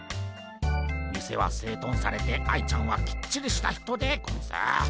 店は整頓されて愛ちゃんはきっちりした人でゴンス。